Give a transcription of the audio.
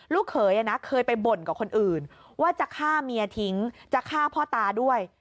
ลูกเขยเคยไปบ่นกับคนอื่นว่าจะฆ่าเมียทิ้งจะฆ่าพ่อตาด้วย